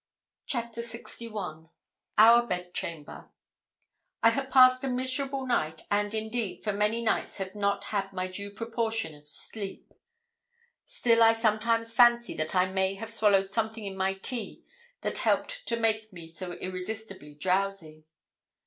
CHAPTER LXI OUR BED CHAMBER I had passed a miserable night, and, indeed, for many nights had not had my due proportion of sleep. Still I sometimes fancy that I may have swallowed something in my tea that helped to make me so irresistibly drowsy.